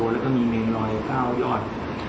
และมีเมน๑๐๙ยอด